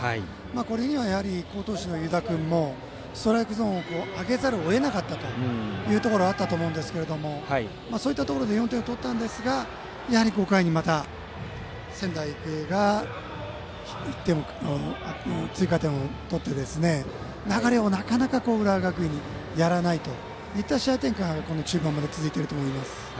これには好投手の湯田君もストライクゾーンを上げざるを得なかったというのがあったと思いますがそういったところで４点を取ったんですがやはり５回にまた仙台育英が追加点を取って流れをなかなか浦和学院にやらないといった試合展開が、この中盤まで続いていると思います。